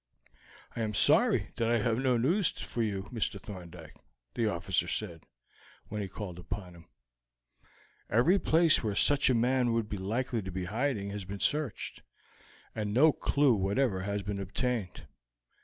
"I am sorry that I have no news for you, Mr. Thorndyke," the officer said, when he called upon him. "Every place where such a man would be likely to be in hiding has been searched, and no clew whatever has been obtained.